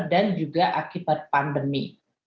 dan juga akibat pandemi